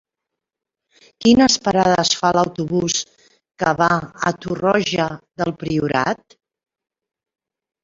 Quines parades fa l'autobús que va a Torroja del Priorat?